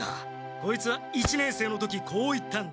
こいつは一年生の時こう言ったんだ。